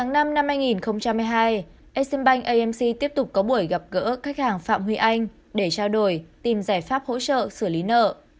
ngày một mươi tháng năm năm hai nghìn một mươi hai exim bank amc tiếp tục có buổi gặp gỡ khách hàng phạm huy anh để trao đổi tìm giải pháp hỗ trợ xử lý nợ